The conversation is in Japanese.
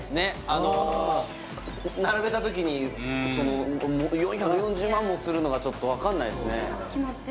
あの並べた時にその４４０万円もするのがちょっと分かんないっすね